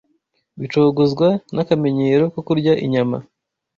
bicogozwa n’akamenyero ko kurya inyama